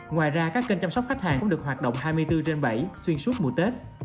ngoài ra các kênh chăm sóc khách hàng cũng được hoạt động hai mươi bốn trên bảy xuyên suốt mùa tết